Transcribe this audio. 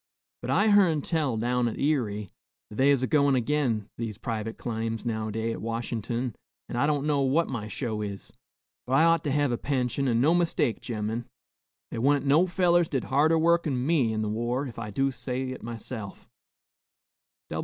But I hearn tell, down at Erie, that they is a goin' agin these private claims nowadays at Washin'ton, an' I don't know what my show is. But I ought to hev a pension, an' no mistake, gemmen. They wa'n't no fellers did harder work 'n me in the war, ef I do say it myself."